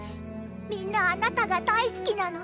みんなあなたがだいすきなの。